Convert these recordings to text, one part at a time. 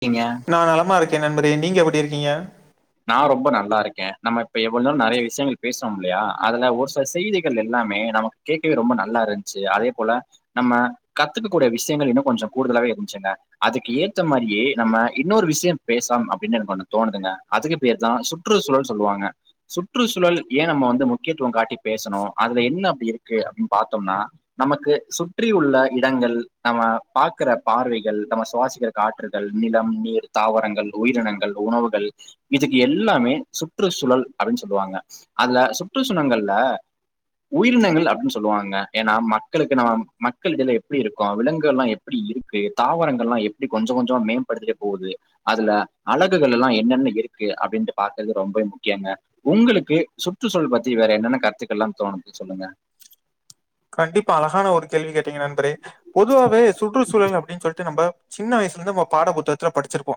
பீங்க நான் நலமா இருக்கேன் நண்பரே நீங்க எப்புடி இருக்கீங்க நான் ரொம்ப நல்லா இருக்கேன் நம்ம இப்ப எவ்வளோ நறைய விஷயங்கள் பேசுறோ இல்லையா அதுல ஒரு சில செய்திகள் எல்லாமே நமக் கேட்கவே ரொம்ப நல்லா இருன்சு அதே போல நம்ம கத்துக்கக்க கூடிய விஷயங்கள் இன்னு கொஞ்சோ கூடுதலாவே இருன்ச்சுங்க அதுக்கு ஏத்த மாரியே நம்ம இன்னொரு விஷயம் பேசாம் அப்டின்னு எனக்கு ஒண்ணு தோணுதுங்க அதுக்கு பேர்தா சுற்றுசூழல் சொல்லுவாங்க சுற்றுசூழல் ஏ நம்ம வந்து முக்கியத்துவ காட்டி பேசணு அதுல என்ன அப்டி இருக்கு அப்டின் பாத்தோம்னா நமக்கு சுற்றி உள்ள இடங்கள் நம்ம பாக்குற பார்வைகள் நம்ம சுவாசிக்கிற காற்றுகள் நிலம் நீர் தாவரங்கள் உயிரினங்கள் உணவுகள் இதுக்கு எல்லாமே சுற்றுசூழல் அப்டின் சொல்லுவாங்க அதுல சுற்றுசூனங்கள்ல உயிரினங்கள் அப்டின் சொல்லுவாங்க ஏன்னா மக்களுக்கு நம்ம மக்கள் தெர்ஞ்சா எப்டி இருக்கு விலங்குகள்லா எப் படி இருக்கு தாவரங்கள்லா எப்டி கொஞ்சோ கொஞ்சமா மேம்படுத்துட்டு போகுது அதுல அழகுகளெல்லா என்னென்ன இருக்கு அப்டின்ட்டு பாக்றது ரொம்பவே முக்கியங்க உங்களுக்கு சுற்றுச்சூழல் பத்தி வேற என்னென்ன கருத்துக்கள்லா தோணுது சொல்லுங்க கண்டிப்பா அழகான ஒரு கேள்வி கேட்டீங்க நண்பரே பொதுவாவே சுற்றுச்சூழல் அப்டின் சொல்ட்டு நம்ப சின்ன வயசுலருந்து நம்ம பாட புத்தகத்துல படிச்சிருப்போ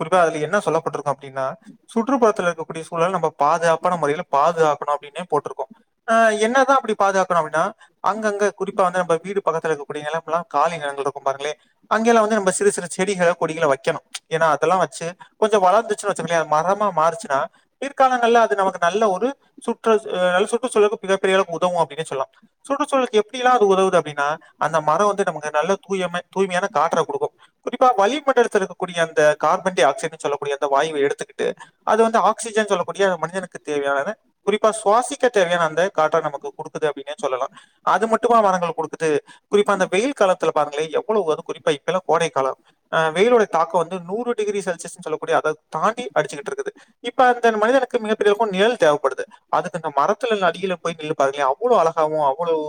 குறிப்பா அதுல என்ன சொல்லப்பட்ருக்கு அப்டின்னா சுற்றுப்புறத்துல இருக்கக்கூடிய சூழல் நம்ம பாதுகாப்பான முறைல பாதுகாக்கணு அப்டின்னே போட்ருக்கு ஆ என்னதா அப்டி பாதுகாக்கணு அப்டின்னா அங்கங்க குறிப்பா வந்து நம்ம வீடு பக்கத்துல இருக்ககூடிய நிலம்லா காலி நிலங்கள்ருக்கு பாருங்ளே அங்கேலா வந்து நம்ம சிறு சிறு செடிகள கொடிகள வைக்கணு ஏன்னா அதெல்லா வச்சு கொஞ்சோ வளந்துச்சுனு வச்சுக்ங்ளே மரமா மாறுச்சுனா பிற்காலங்கள்ல அது நமக்கு நல்ல ஒரு சுற்ற அ நல்ல சுற்றுச்சூழலுக்கு மிகப் பெரிய அளவ்க் உதவு அப்டின்னே சொல்லா சுற்றுச்சூழல்க்கு எப்டிலாம் அது உதவுது அப்டின்னா அந்த மரோ வந்து நமக்கு நல்ல தூயமை தூய்மையான காற்ற குடுக்கு குறிப்பா வளிமண்டலத்துல இருக்கக்கூடிய அந்த கார்பன் டை ஆக்சைடுன்னு சொல்லக்கூடிய அந்த வாயுவ எடுத்துக்கிட்டு அது வந்து ஆக்சிஜன் சொல்லக்கூடிய மனிதனுக்கு தேவையானத குறிப்பா சுவாசிக்க தேவையான அந்த காற்ற நமக்கு குடுக்குது அப்டின்னே சொல்லலா அது மட்டுமா மரங்கள் குடுக்குது குறிப்பா அந்த வெயில் காலத்துல பாருங்ளே எவ்ளோ வரு குறிப்பா இப்பெல்லா கோடை காலோ அ வெயிலுடைய தாக்கோ வந்து நூறு டிகிரி செல்சியஸ்ன் சொல்லக்கூடிய அத தாண்டி அடிச்சுட்டு இருக்குது இப்ப அந்த மனிதனுக்கு [unintelligible] நிழல் தேவப்படுது அதுக் அந்த மரத்துலல் அடியில போய் நின்னு பாருங்களே அவ்ளோ அழகாவு அ அவ்வளவு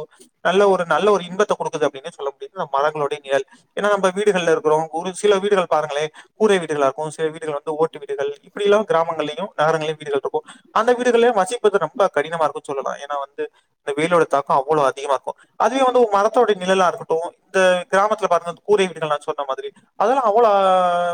நல்ல ஒரு நல்ல ஒரு இன்பத்த குடுக்குது அப்டின்னே சொல்ல முடியு மரங்களுடைய நிழல் ஏன்னா நம்ம வீடுகள்ல இருக்றோ ஒரு சில வீடுகள் பாருங்ளே கூரை வீடுகளாருக்கு சில வீடுகள் வந்து ஓட்டு வீடுகள் இப்டில்லா கிராமங்கள்லயு நகரங்களயு வீடுகள்ருக்கு அந்த வீடுகள்ல வசிப்பது ரொம்ப கடினமாருக்கு சொல்லலா ஏன்னா வந்து இந்த வெயிலோட தாக்கோ அவ்ளோ அதிகமாக்கு அதுவே வந்து ஒரு மரத்தோடைய நிழல்லா இருக்கட்டு இந்த கிராமத்துல பாருங்க இந்த கூரை வீடுகள்லா சொன்ன மாதிரி அதெல்லா அவ்ளோ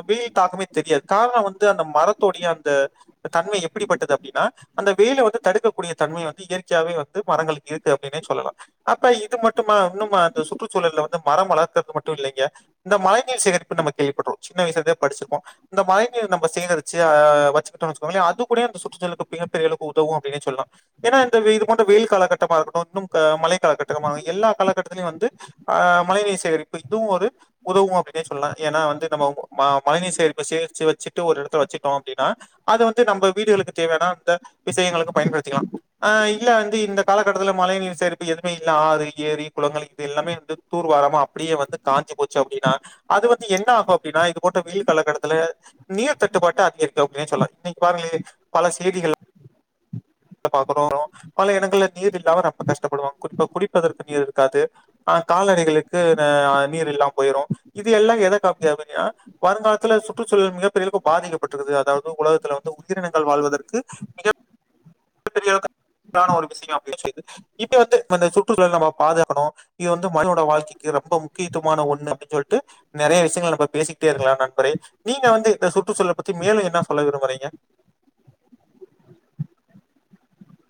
வெயில் தாக்கமே தெரியாது காரணோ வந்து அந்த மரத்தோடைய அந்த அந்த தன்ம எப்டிப்பட்டது அப்டின்னா அந்த வெயில வந்து தடுக்கக்கூடிய தன்மை வந்து இயற்கையாகவே வந்து மரங்களுக்கு இருக்கு அப்டின்னே சொல்லலா அப்ப இது மட்டும்மா இன்னுமா அந்த சுற்றுச்சூழல்ல வந்து மரம் வளர்க்கறது மட்டு இல்லைங்க இந்த மழைநீர் சேகரிப்பு நம்ம கேள்விப்பட்ரு சின்ன வயசுலருந்தே படிச்சுருக்கோ அந்த மழை நீர் நம்ம சேகரிச்சு அ வச்சுகிட்டோன் வச்சுக்கோங்ளே அது கூடயு அந்த சுற்றுச்சூழலுக்கு மிக பெரியளவுக்கு உதவு அப்டினே சொல்லா ஏன்னா இந்த இது போன்ற வெயில் காலகட்டமா இருக்கட்டு இன்னும் மழை காலகட்டமா எல்லா காலகட்டத்திலயு வந்து ஆ மழைநீர் சேகரிப்பு இதுவு ஒரு உதவு அப்டின்னே சொல்லா ஏன்னா வந்து நம்ம வ் மழை நீர் சேகரிப்ப சேகரிச்சு வச்சுட்டு ஒரு இடத்துல வச்சுக்ட்டோ அப்டின்னா அது வந்து நம்ம வீடுகளுக்கு தேவையான அந்த விஷயங்களுக்கு பயன்படுத்திக்கலா ஆ இல்ல வந்து இந்த காலகட்டத்துல மழை நீர் சேகரிப்பு எதுமே இல்ல ஆறு ஏரி குளங்கள் இது எல்லாமே வந்து தூர்வாராம அப்டியே வந்து காஞ்சு போச்சு அப்டின்னா அது வந்து என்ன ஆகு அப்டின்னா இது போன்ற வெயில் காலக்கட்டத்துல நீர் தட்டுப்பாட்ட அதிகரிக்கு அப்டின்னே சொல்லா இன்னைக் பாருங்ளே பல செய்திகள் பாக்குறோ பல இடங்கள்ல நீர் இல்லாம ரொம்ப கஷ்டப்படுவாங்க குறிப்பா குடிப்பதற்கு நீர் இருக்காது ஆ கால்நடைகளுக்கு ந அ நீர் இல்லாம போயிரு இது எல்லா எத காப்பயா கு நியா வருங்காலத்துல சுற்றுச்சூழல் மிகப்பெரியளவுக்கு பாதிக்கப்பட்டுருக்குது அதாவது உலகத்துல வந்து உயிரினங்கள் வாழ்வதற்கு பெரிய அளவுக்கு கான ஒரு மிஸ்ஸிங்கா போயிருச்சு இது இப்ப வந்து இந்த சுற்றுச்சூழலை நம்ம பாதுகாக்கணு இது வந்து மனிதனோட வாழ்க்கைக்கு ரொம்ப முக்கியத்துவமான ஒண்ணு அப்டின் சொல்ட்டு நெறைய விஷயங்கள நம்ப பேசிக்கிட்டே இருக்கங்களா நண்பரே நீங்க வந்து இந்த சுற்றுச்சூழல் பத்தி மேலு என்ன சொல்ல விரும்புறீங்க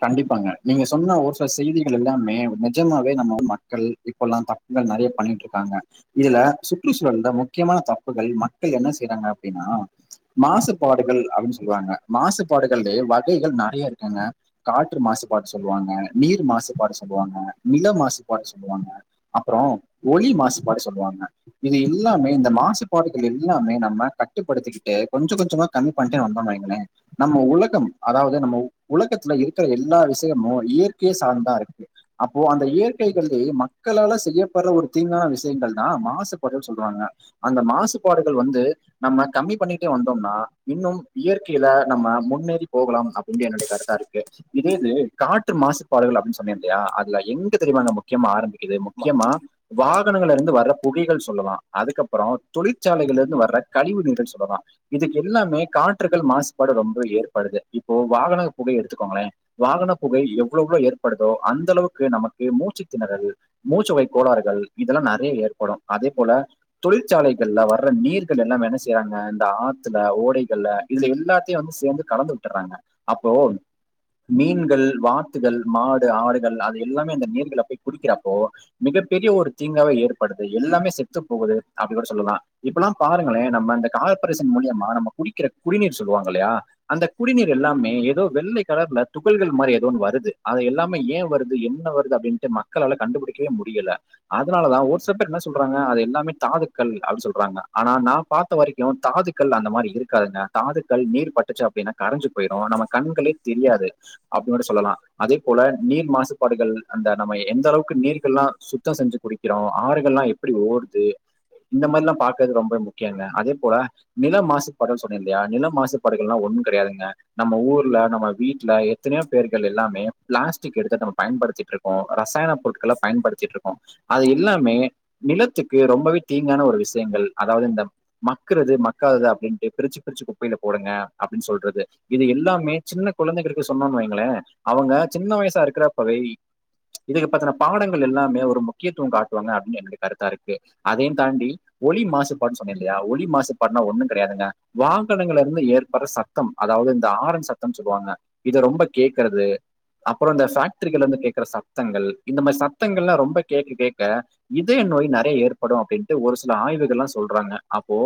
கண்டிப்பாங்க நீங்க சொன்ன ஒரு சில செய்திகள் எல்லாமே நெஜமாவே நம்ம வந்து மக்கள் இப்போல்லா தப்புகள் நெறய பண்ணிட்டு ருக்காங்க இதுல சுற்றுச்சூழல்ல முக்கியமான தப்புகள் மக்கள் என்ன செய்றாங்க அப்டினா மாசுபாடுகள் அப்டின்னு சொல்லுவாங்க மாசுபாடுகள்லயே வகைகள் நெறைய இருக்குங்க காற்று மாசுபாடு சொல்லுவாங்க நீர் மாசுபாடு சொல்லுவாங்க நில மாசுபாடு சொல்லுவாங்க அப்பறோ ஒலி மாசுபாடு சொல்லுவாங்க இது எல்லாமே இந்த மாசுபாடுகள் எல்லாமே நம்ம கட்டுப்படுத்திக்கிட்டு கொஞ்ச கொஞ்சமா கம்மி பண்ணிட்டே வந்தோனு வைங்களே நம்ம உலகம் அதாவ்து நம்ம உ உலகத்தில இருக் கிற எல்லா விஷயமு இயற்கைய சாந்துதா இருக்கு அப்போ அந்த இயற்கைகள்ளயே மக்களால செய்யப்படுற ஒரு தீங்கான விஷயங்கள்னா மாசுபாடுனு சொல்றாங்க அந்த மாசுபாடுகள் வந்து நம்ம கம்மி பண்ணிட்டே வந்தோம்னா இன்னும் இயற்கையில நம்ம முன்னேறி போகலாம் அப்படின்டு என்னுடைய கருத்தா இரு கு இதே இது காற்று மாசுப்பாடுகள் அப்படின்னு சொன்னே இல்லையா அதுல எங்க தெரியுமா முக்கியமா ஆரம்பிக் கிது முக்கியமா வா கனங்கல்ல இருந்து வர்ற புகைகள் சொல்லலா அதுக்கப்பறோ தொழிற்சாலைகள்ல இருந்து வர்ற கழிவு நீர்கள் சொல்லலா இதுக்கு எல்லாமே காற்றுகள் மாசுபாடு ரொம்ப ஏற்படுது இப்போ வாகன புகை எடு த்துக்கோங்களே வாகன புகை எவ்வளவ்ளோ ஏற்படுதோ அந்த அளவுக்கு நமக்கு மூச்சு திணறல் மூச்சுவை கோளாறுகள் இதெல்லா நெறைய ஏற்படும் அதே போல தொழிற்சாலைகள்ல வர்ற நீர்கள் எல்லாம் என்ன செய்யறாங்க இந்த ஆத்துல ஓடைகள்ல இதுல எல்லாத்தையு வந்து சேந்து கலந்து விட்டுறாங்க அப்போ மீன்கள் வாத்துகள் மாடு ஆடுகள் அது எல்லாமே அந்த நீர்கள போய் குடிக்கிறப்போ மிகப்பெரிய ஒரு தீங்காவே ஏற்படுது எல்லாமே செத்து போகுது அப்டி கூட சொல்லலா இப்பெல்லா பாருங்களே நம்ம அந்த கார்பரேஷன் மூலியமா நம்ம குடிக்கிற குடிநீர் சொல்லுவாங்க இல்லையா அந்த குடிநீர் எல்லாமே எதோ வெள்ளை கலர்ல துகள்கள் மாரி ஏதோ ஒன்னு வருது அத எல்லாமே ஏன் வருது என்ன வருது அப்படின்ட்டு மக்களால கண்டுபிடிக்கவே முடியல அதனால தா ஒரு சில பேர் என்ன சொல்றாங்க அது எல்லாமே தாதுக்கல் அப்டி சொல்றாங்க ஆனா நா பாத் த்த வரைக்கு தாதுக்கள் அந்த மாரி இருக்காதுங்க தாதுக்கள் நீர் பட்டுச்சு அப்டின்னா கரஞ்சு போயிரு நம்ம கண்களே தெரியாது அப்டின்னு கூட சொல்லலா அதே போல நீர் மாசுபாடுகள் அந்த நம்ம எந்த அளவுக்கு நீர்கள்லாம் சுத்தம் செஞ்சு குடி க்கிறோ ஆறுகள் ல்லா எப்டி ஓடுது இந்த மாரி ல்லா பாக்குறது ரொம்ப முக்கியங்க அதே போல நில மாசுபாடுகள் சொன்னே இல்லையா நில மாசுப்பாடுகள் ல்லா ஒண்ணு கெடையாதுங்க நம்ம ஊர்ல நம்ம வீட்ல எத்தனையோ பேர்கள் எல்லாமே பிளாஸ்டிக் கிட்டத்தட்ட நம்ம பயன்படுத்திட்டு இருக்கோ ரசாயன பொருட்கள பயன்படுத் த்திட்டு இருக்கோ அது எல்லாமே நிலத்துக்கு ரொம்பவே தீங்கான ஒரு விஷயங்கள் அதாவது இந்த மக்குறது மக்காதது அப்டின்ட்டு பிரிச்சு பிரிச்சு குப்பைல போடுங்க அப்டின்னு சொல்றது இது எல்லாமே சின்ன கொழந்தைகளுக்கு சொன்னோன்னு வைங்களே அவுங்க சின்ன வயசா இருக்கிறப்பவே இதுக்கு பத்தின பாடங்கள் எல்லாமே ஒரு முக்கியத்துவம் காட்டுவாங்க அப்டின்னு என்னுடைய கருத்தா இருக்கு அதையும் தாண்டி ஒலி மாசுபாடு சொன்னே இல்லையா ஒலி மாசுபாடுனா ஒன்னு கெடையாதுங்க வாகனங்கள்ள இருந்து ஏற்படுற சத் தம் அதாவது இந்த ஆறன் சத்தம் சொல்லுவாங்க இத ரொம்ப கேக்குறது அப்பறோ இந்த ஃபக்டரிகள்ல இருந்து கேக்குற சத்தங்கள் இந்த மாரி சத்தங்கள்லா ரொம்ப கேக்க கேக்க இதய நோய் நறைய ஏற்படு அப்டின்ட்டு ஒரு சில ஆய்வுகள்லா சொல்றாங்க அப்போ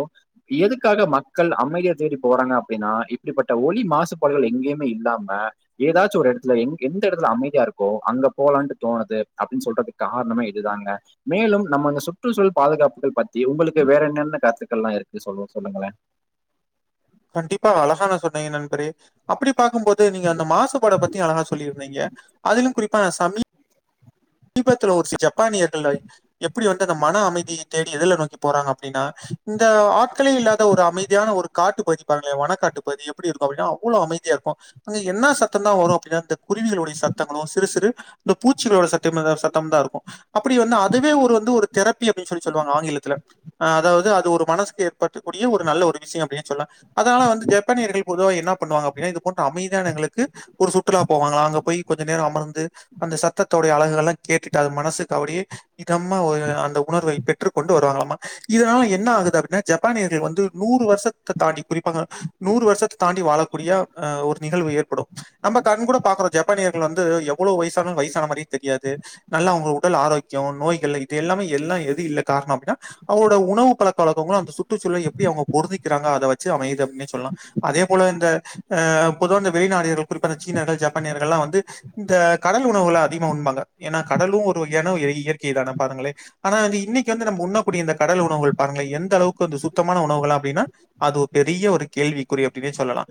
எதுக்காக மக்கள் அமைதிய தேடி போறாங்க அப்டின்னா இப்டிப்பட்ட ஒலி மாசுபாடுகள் எங்கேமே இல்லாம எதாச்சு ஒரு எடத்துல எங்க எந்த எடத்துல அமைதியா இருக்கோ அங்க போலான்ட்டு தோணுது அப்டின்னு சொல்றதுக் காரணமே இதுதாங்க மேலும் நம்ம இந்த சுற்றுச்சூழல் பாதுகாப்புகள் பத்தி உங்குளுக்கு வேற என்னென்ன கருத்துக்கள்லா இருக்கு சகோ சொல்லுங்களே கண்டிப்பா அழகாக சொன்னீங்க நன்றி அப்டி பாக்கும்போது நீங்க அந்த மாசுபாட பத்தி அழகா சொல்லிருந்திங்க அதிலு குறிப்பா சமீ மீபத்துல ஒரு சில ஜப்பானியர்கள் எப்டி வந்து அந்த மன அமைதிய தேடி எதுல நோக்கி போறாங்க அப்டின்னா இந்த ஆட்களே இல்லாத ஒரு அமைதியான ஒரு காட்டு பகுதி பாருங்களே வனக்காட்டு பகுதி எப்டி இருக்கு அப்டின்னா அவ்ளோ அமைதியா இருக்கு அங்க என்னா சத்தந்தா வரு அப்டின்னா இந்த குருவிகளுடைய சத்தங்களு சிறு சிறு இந்த பூச்சிகளோட சத் [unintelligible] சத்தம் தா இருக்கு அப்டி வந்து அதுவே ஒரு வந்து ஒரு தெரப்பி அப்டின் சொல்லி சொல்லுவாங்க ஆங்கிலத்துல அ அதாவது அது ஒரு மனசுக்கு ஏற்படுத்தக்கூடிய ஒரு நல்ல ஒரு விஷ்யம் அப்டின் சொல்வே அதனால வந்து ஜப்பானியர்கள் பொதுவா என்ன பண்ணுவாங்க அப்டின்னா இது போன்ற அமைதியானங்களுக்கு ஒரு சுற்றுலா போவாங்களா அங்க போய் கொஞ்ச நேரோ அமர்ந்து அந்த சத்தத்தோ அழகுகள்லா கேட்டுட்டு அது மனசுக்கு அப்டியே இதமா ஓ அந்த உணர்வை பெற்றுக்கொண்டு வருவாங்களாமா இதனால என்ன ஆகுது அப்டின்னா ஜப்பானியர்கள் வந்து நூறு வர்ஷ த்தத தாண்டி குறிப்பாக நூறு வர்ஷத்த தாண்டி வாழக்கூடிய அ ஒரு நிகழ்வு ஏற்படு நம்ப கண் கூட பாக்குறோ ஜப்பானியர்கள் வந்து எவ்ளோ வய்சானாலு வய்சானமாரி தெரியாது நல்லா அவங்க உடல் ஆரோக்கியம் நோய்கள் இது எல்லாமே எல்லாம் எது இல்ல காரணோ அப்டின்னா அவுங்ளோட உணவு பழக்க வழக்கங்களு அந்த சுற்றுச்சூழல எப்டி அவங்க பொருந்திக்கிறாங்க அத வச்சு அமையுது அப்டின்னே சொல்லா அதே போல இந்த அ பொதுவா இந்த வெளிநாடியர்கள் குறிப்பா இந்த சீனர்கள் ஜப்பானியர்கள் எல்லா வந்து இந்த கடல் உணவுகள அதிகமா உண்பாங்க ஏனா கடலு ஒரு வகையான இ இயற்கை தானே பாருங்களே ஆனா அது இன்னைக்கு வந்து நம்ம உண்ணக்கூடிய இந்த கடல் உணவுகள் பாருங்களே எந்த அளவுக்கு வந்து சுத்தமான உணவுகள் அப்டின்னா அது ஒரு பெரிய ஒரு கேள்விக்குறி அப்டின்னே சொல்லலா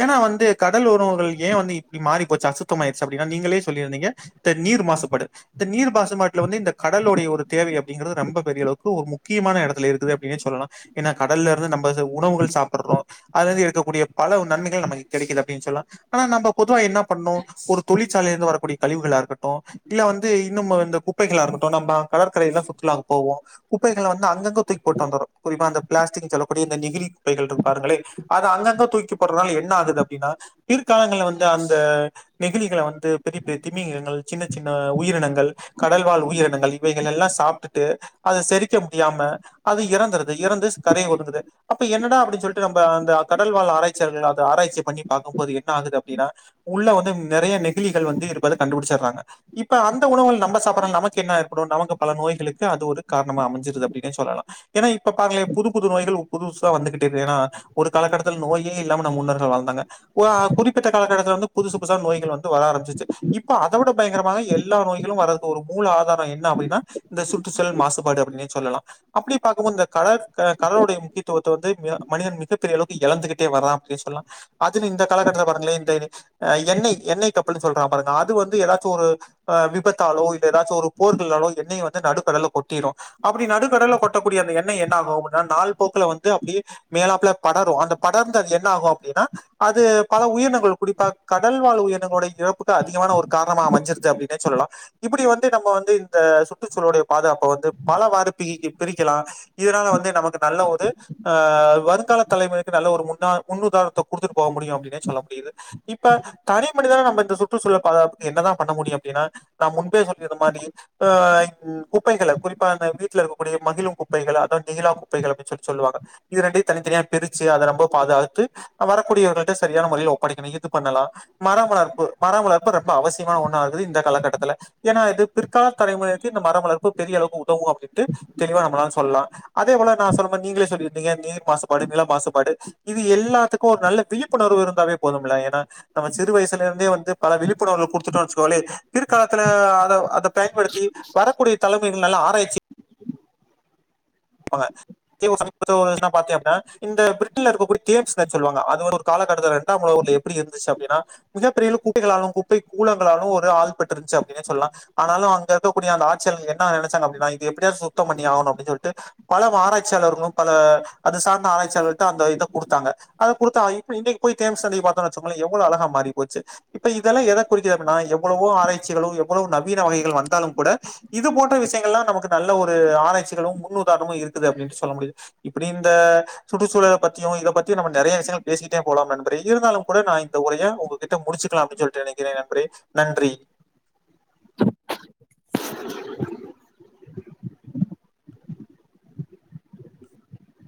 ஏனா வந்து கடல் உனவுகள் ஏன் வந்து இப்டி மாறி போச்சு அசுத்தமாயிடுச்சு அப்டின்னா நீங்களே சொல்லிருந்தீங்க இந்த நீர் மாசுபடு இந்த நீர் பாசுமாட்ல வந்து இந்த கடலுடைய ஒரு தேவை அப்டிங்கறது ரொம்ப பெரிய அளவுக்கு ஒரு முக்கியமான எடத்துல இருக்குது அப்டின்னே சொல்லலா ஏனா கடல்லருந்து நம்ப இத உணவுகள் சாப்புட்றோ அதுலேந்து எடுக்க கூடிய பலவு நன்மைகள் நமக்கு கெடைக்குது அப்டின் சொல்லா ஆனா நம்ப பொதுவா என்ன பண்ணோ ஒரு தொழிற்சாலைலருந்து வரக்கூடிய கழிவுகளா இருக்கட்டு டு இல்ல வந்து இன்னு இந்த குப்பைகளா இருக்கட்டு நம்ப கடற்கரையல்லா சுற்றாலாவுக்கு போவோ குப்பைகள வந்து அங்கங்க தூக்கி போட்டு வந்துர்றோ குறிப்பா அந்த பிளாஸ்டிக் சொல்லக்கூடிய அந்த நெகிழி குப்பைகள் இருக்கு பாருங்களே அத அங்கங்க தூக்கி போட்றதுனால என்ன ஆகுது அப்டின்னா பிற்காலங்கள வந்து அந்த நெகிழிகள வந்து பெரிய பெரிய திமிங்கிலங்கள் சின்ன சின்ன உயிரினங்கள் கடல்வாழ் உயிரினங்கள் இவைகள் எல்லா சாப்ட்டுட்டு அது செரிக்க முடியாம அது இறந்துருது இறந்து கரை ஒதுங்குது அப்ப என்னடா அப்டின் சொல்லிட்டு நம்ப அந்த கடல் வாழ் ஆராய்ச்சியாளர்கள் அத ஆராய்ச்சி பண்ணி பாக்கும்போது என்ன ஆகுது அப்டின்னா உள்ள வந்து நெறைய நெகழிகள் வந்து இருப்பத கண்டுபுடிச்சர்றாங்க இப்ப அந்த உணவுகள் நம்ம சாப்பற நமக்கு என்ன ஏற்படும் நமக்கு பல நோய்களுக்கு அது ஒரு காரணமா அமைஞ்சருது அப்டின்னே சொல்லலா ஏனா இப்ப பாருங்களே புது புது நோய்கள் புதுசா வந்துகிட்டேது ஏனா ஒரு காலக்கட்டத்துல நோயே இல்லாம நம் முன்னோர்கள் வாழ்ந்தாங்க ஓ ஆ குறிப்பிட்ட காலகட்டத்துல வந்து புதுசு புசா நோய்கள் வந்து வர ஆரம்பிச்சிச்சு இப்போ அத விட பயங்கரமாக எல்லா நோய்களு வரதுக்கு ஒரு மூல ஆதாரம் என்ன அப்டின்னா இந்த சுற்றுச்சழல் மாசுபாடு அப்டின்னே சொல்லலா அப்டி பாக்கும்போது இந்த கடல் க கடலுடைய முக்கியத்துவத்த வி வந்து மனிதன் மிகப்பெரிய அளவுக்கு எழந்துகிட்டே வரான் அப்டினே சொல்லா அதுல இந்த காலகட்டத்துல பாருங்களே இந்த எண்ணெய் எண்ணெய் கப்பல்னு சொல்றாங்க பாருங்க அது வந்து எதாவ இப்ப ஒரு அ விபத்தாலோ இல்ல ஏதாச்சு ஒரு போர்களாலோ எண்ணெய வந்து நடுக்கடல்ல கொட்டிரோ அப்புடி நடுக் கடல்ல கொட்டக்கூடிய அந்த எண்ணெய் என்ன ஆகோ அப்டின்னா நாள் போக்குல வந்து அப்டியே மேலாப்ல படரோ அந்த படர்ந்து அது என்ன ஆகோ அப்டின்னா அது பல உயிரினங்கள் குறிப்பா கடல் வாழ் உயிரினங்களோடய இறப்புக்கு அதிகமான ஒரு காரண மா அமஞ்சிருச்னே அப்டின்னே சொல்லலாம் இப்புடி வந்து நம்ம வந்து இந்த சுற்றுச்சூழலோடைய பாதுகாப்ப வந்து பலவாறு பீக்கு பிரிக்கலா இதனால வந்து நமக்கு நல்ல ஒது ஆ வருங்கால தலைமுறைக்கி நல்ல ஒரு முன்னா முன்னுதாரணத்த குடுத்துட்டு போக முடியும் அப்டின்னே சொல்ல முடியுது இப்ப தனி மனிதனா நம்ம இந்த சுற்றுச்சூழல பாதுகாப் என்னதா பண்ண முடியு அப்டின்னா நா முன்பே சொல்லியிருந்த மாரி ஆ ம் குப்பைகள குறிப்பா அந்த வீட்ல இருக்கக்கூடிய மகிழு குப்பைகள அதா நீலா குப்பைகள அப்டின் சொல்லி சொல்லுவாங்க இத ரெண்டயூ தனித்தனியா பிரிச்சு அத ரொம்போ பாதுகாத்து வரக்கூடியவர்கள்ட்ட சரியான மொறையில ஒப்படைக்கணு இது பண்ணலா மரோ வளர்ப்பு மரோ வளர்ப்ப ரொம் ப அவசியமா ஒண்ணா ஆகுது இந்த காலகட்டத்துல ஏன்னா இது பிற்கால தலைமுறைக்கு இந்த மரம் வளர்ப்பு பெரிய அளவுக்கு உதவோ அப்டின்ட்டு தெளிவா நம்மலாள சொல்லலா அதே போல நா சொன்ன மாரி நீங்களே சொல்லியிருந்தீங்க நீர் மாசுபாடு நில மாசுபாடு இது எல்லாத்துக்கோ ஒரு நல்ல விழிப்புணர்வு இருந்தாவே போதும்ல ஏன்னா நம்ம சிறுவயசுல இர்ந்தே வந்து பல விழிப்புணர்வு குடுத்துட்டோ வெச்சுகோங்ளே பிற்காலத்துல அத அத பயன்படுத்தி வரக்கூடிய தலைமைகள் நல்லா ஆராய்ச்சி வாங்க இதுவே ஒரு சமீபத்துல ரீசனா பாத்தே அப்டீனா இந்த பிரெட்டுல இருக்ககூடிய கேக்ஸ் பேக் சொல்வாங்க அது ஒரு காலகட்டத்துல ரெண்டாம் உலகப் போர்லயேப் எப்டி இருந்துச்சு அப்டீன்னா மிகப்பெரியளவு குட்டைகளாலோ குப்பை கூலங்களாலோ ஒரு ஆள்பட்டிருந்துச்சு அப்டீன்னே சொல்லலா ஆனாலு அங்க இருக்கக்கூடிய அந்த ஆட்சியாளர்கள் என்ன நெனச்சாங்க அப்டீன்னா இது எப்டியாவது சுத்தோ பண்ணி ஆவனோ அப்டீன்னு சொல்ட்டு பல ஆராய்ச்சியாளர்களு பல அது சார்ந்த ஆராய்ச்சியாள்ட்ட அந்த இத குடுத்தாங்க அத குடுத்தா இப்ப இன்னிக்கி போய் தேம்ஸ் நதிய பாத்தா வெச்சுக்கோங்ளே எவ்ளோ அழகா மாறி போச்சு இப்ப இதெல்லா எத குறிக்குது அப்டீனா எவ்ளோ ஆராய்ச்சிகளு எவ்வுளோ நவீன வகைகள் வந்தாலு கூட இது போன்ற விஷயங்கள்லா நமக்கு நல்ல ஒரு ஆராய்ச்சிகளும் முன்னுதாரனமு இருக்குது அப்டீனு சொல்ல முடியுது இப்புடி இந்த சுற்றுச்சூழல பத்தியு இத பத்தி நம்ம நெறய விஷயங்கள் பேசிக்கிட்டே போலா நண்பரே இருந்தாலு கூட நா இந்த உரைய உங்க உங்க கிட்ட முடிச்சுக்கலா அப்டினு சொல்ட்டு நெனைக்குறே நண்பரே நன்றி